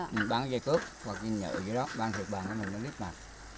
mình bán cái dây cước hoặc cái nhựa gì đó bán thịt bàn cho mình nó nít mặt